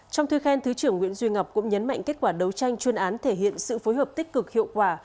trong thư khen thứ trưởng nguyễn duy ngọc cũng nhấn mạnh kết quả đấu tranh chuyên án thể hiện sự phối hợp tích cực hiệu quả